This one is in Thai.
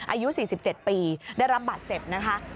อายุ๔๗ปีได้รับบาดเจ็บนะคะ